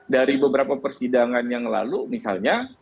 dari beberapa persidangan yang lalu misalnya